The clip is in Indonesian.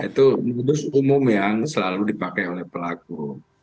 itu modus umum yang selalu dipakai oleh pelaku